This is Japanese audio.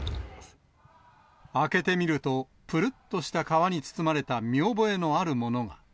開けてみると、ぷるっとした皮に包まれた見覚えのあるものが。